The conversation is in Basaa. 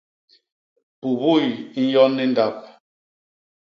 Pupuy i nyon i ndap.